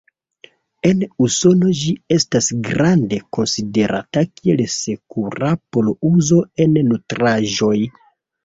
En Usono ĝi estas grande konsiderata kiel sekura por uzo en nutraĵoj.